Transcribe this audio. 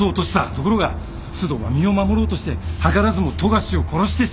ところが須藤は身を守ろうとして図らずも富樫を殺してしまった。